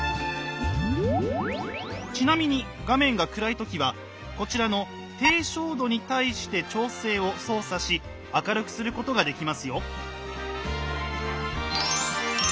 ちなみに画面が暗い時はこちらの「低照度に対して調整」を操作し明るくすることができますよ。